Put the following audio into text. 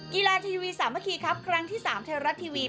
กีฬาทีวีสามพักีครั้งที่๓ไทยรัฐทีวี